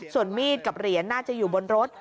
ส่วนมีดกับเหรียญน่าจะอยู่บนรถ